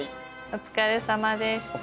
お疲れさまでした。